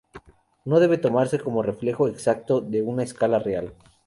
No debe tomarse como reflejo exacto de una escala real.